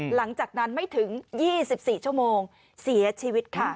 หลังจากนั้นไม่ถึง๒๔ชั่วโมงเสียชีวิตค่ะ